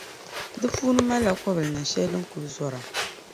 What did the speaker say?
Di puuni malila kobilnin’ shɛli din kuli zɔra.